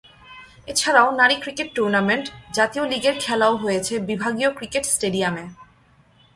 এছাড়াও নারী cricket tournament, জাতীয় লিগের খেলাও হয়েছে বিভাগীয় ক্রিকেট স্টেডিয়ামে।